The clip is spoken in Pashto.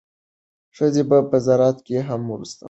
ښځې په زراعت کې هم مرسته کولی شي.